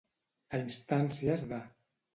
A instàncies de.